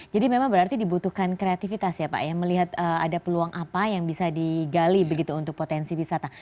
jadi memang berarti dibutuhkan kreatifitas ya pak ya melihat ada peluang apa yang bisa digali begitu untuk potensi wisata